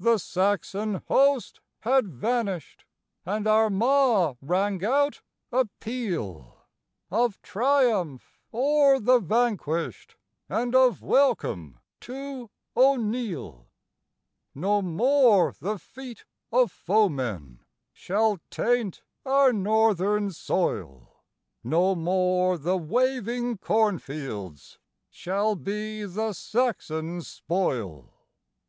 The Saxon host had vanished; and Armagh rang out a peal Of triumph o'er the vanquished, and of welcome to O'Neill. No more the feet of foemen shall taint our Northern soil, No more the waving cornfields shall be the Saxon's spoil.